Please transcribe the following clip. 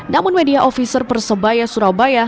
namun media ofiser persebaya surabaya